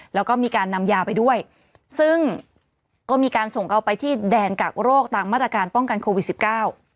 แล้วก็มีการนำยาไปด้วยซึ่งก็มีการส่งเอาไปที่แดนกักโรคตามมาตรการป้องกันโควิดสิบเก้า